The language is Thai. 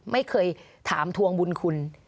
ไม่เคยถามทวงบุญคุณ